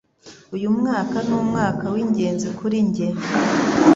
Uyu mwaka ni umwaka w'ingenzi kuri njye.